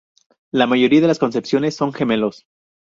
La mayoría de las concepciones son gemelos.